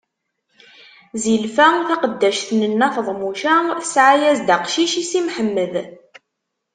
Zilfa, taqeddact n Nna Feḍmuca, tesɛa-as-d aqcic i Si Mḥemmed.